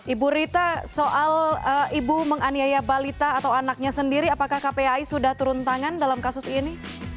ibu rita soal ibu menganiaya balita atau anaknya sendiri apakah kpai sudah turun tangan dalam kasus ini